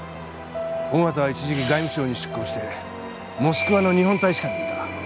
緒方は一時期外務省に出向してモスクワの日本大使館にいた。